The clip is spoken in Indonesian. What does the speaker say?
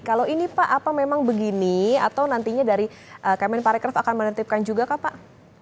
kalau ini pak apa memang begini atau nantinya dari kemen parekraf akan menertibkan juga kak pak